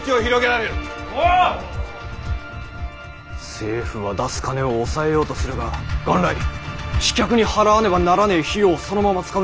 政府は出す金を抑えようとするが元来飛脚に払わねばならねぇ費用をそのまま使うんだから文句はねぇはずだ。